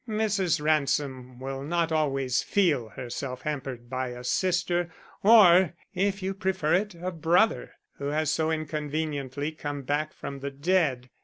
"Mrs. Ransom will not always feel herself hampered by a sister, or, if you prefer it, a brother who has so inconveniently come back from the dead.